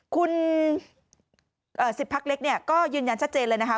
คุณ๑๐พักเล็กเนี่ยก็ยืนยันชัดเจนเลยนะคะ